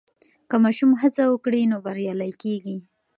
که ماشوم هڅه وکړي نو بریالی کېږي.